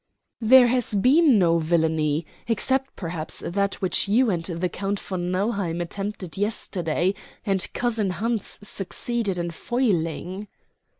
"There has been no villany except, perhaps, that which you and the Count von Nauheim attempted yesterday, and cousin Hans succeeded in foiling."